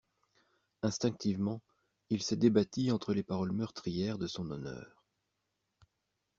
Instinctivement, il se débattit entre les paroles meurtrières de son honneur.